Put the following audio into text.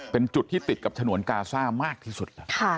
เป็นจุดที่ติดกับฉนวนกาซ่ามากที่สุด